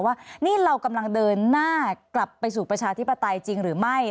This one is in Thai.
ว่านี่เรากำลังเดินหน้ากลับไปสู่ประชาธิปไตยจริงหรือไม่